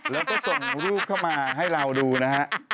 แล้วก็ส่งรูปเข้ามาให้เราดูนะฮะ